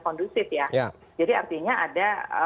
kondusif ya jadi artinya ada